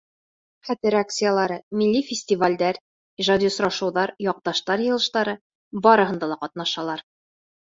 Хәтер акциялары, милли фестивалдәр, ижади осрашыуҙар, яҡташтар йыйылыштары — барыһында ла ҡатнашалар.